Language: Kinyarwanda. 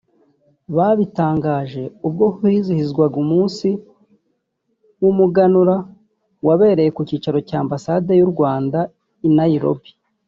Babitangaje ubwo hizihizwaga umunsi w’Umuganura wabereye ku cyicaro cya Ambasade y’u Rwanda i Nairobi